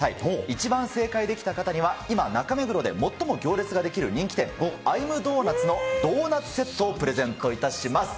一番正解できた方には、今、中目黒で最も行列が出来る人気店、アイムドーナツのドーナツセットをプレゼントいたします。